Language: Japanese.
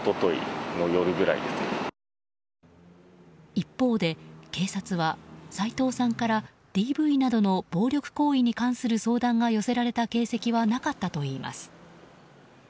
一方で警察は齋藤さんからＤＶなどの暴力行為に関する相談が寄せられた形跡はなかったといいます。